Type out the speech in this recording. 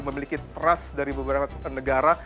memiliki trust dari beberapa negara